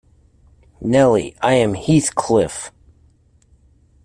Nelly, I am Heathcliff!